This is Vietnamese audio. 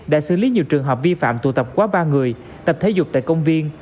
đã xử lý nhiều trường hợp vi phạm tụ tập quá ba người tập thể dục tại công viên